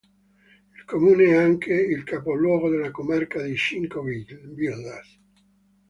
Il comune è anche il capoluogo della comarca di Cinco Villas.